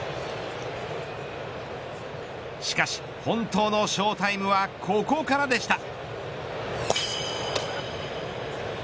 しかし、本当のショータイムはここからでした。